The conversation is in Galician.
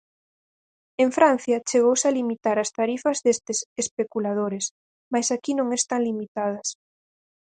En Francia chegouse a limitar as tarifas destes especuladores, mais aquí non están limitadas.